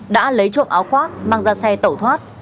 đã lấy trộm áo khoác mang ra xe tẩu thoát